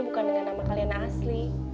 bukan dengan nama kalian yang asli